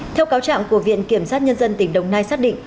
theo cáo trạng của viện kiểm sát nhân dân tỉnh đồng nai xác định